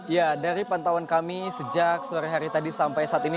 ya dari pantauan kami sejak sore hari tadi sampai saat ini